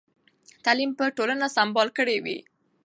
تعلیم به ټولنه سمبال کړې وي.